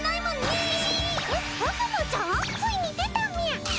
ついに出たみゃ！